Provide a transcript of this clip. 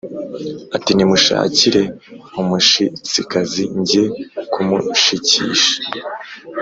ati “nimunshakire umushitsikazi njye kumushikisha”